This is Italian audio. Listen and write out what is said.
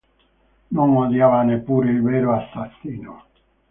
Non odiava neppure il vero assassino.